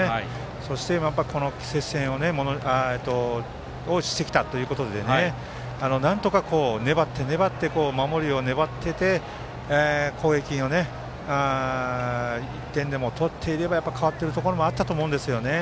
それで、ここまで接戦をしてきたということでなんとか粘って粘って守りで粘って攻撃で１点でも取っていたら変わっていた部分があったと思うんですよね。